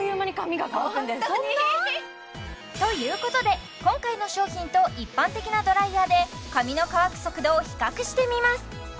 そんな？ということで今回の商品と一般的なドライヤーで髪の乾く速度を比較してみます